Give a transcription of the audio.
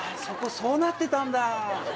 そうなってたんだ。